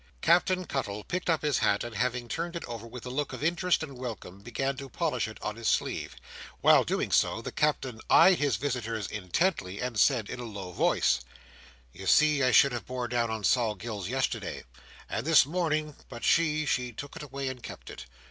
Captain Cuttle picked up his hat, and having turned it over with a look of interest and welcome, began to polish it on his sleeve. While doing so, the Captain eyed his visitors intently, and said in a low voice, "You see I should have bore down on Sol Gills yesterday, and this morning, but she—she took it away and kept it.